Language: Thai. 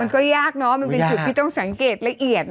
ก็ยากเนอะมันเป็นจุดที่ต้องสังเกตละเอียด